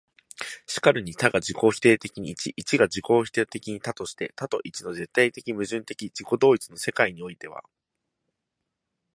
然るに多が自己否定的に一、一が自己否定的に多として、多と一との絶対矛盾的自己同一の世界においては、